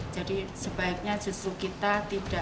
jadi sebaiknya justru kita tidak